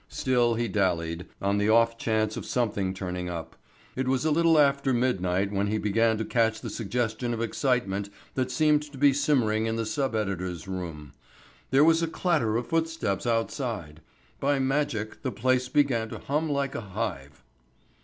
Still he dallied, on the off chance of something turning up. It was a little after midnight when he began to catch the suggestion of excitement that seemed to be simmering in the sub editor's room. There was a clatter of footsteps outside. By magic the place began to hum like a hive.